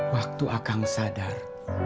waktu akang sadar